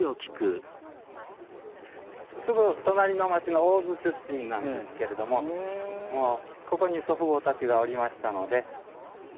すぐ隣の町の大州出身なんですけれどもここに祖父母たちがおりましたので退職後